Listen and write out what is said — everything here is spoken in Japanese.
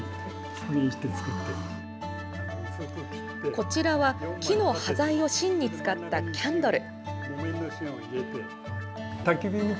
こちらは木の端材を芯に使ったキャンドル。